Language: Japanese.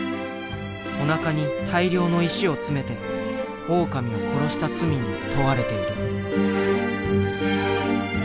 おなかに大量の石を詰めてオオカミを殺した罪に問われている。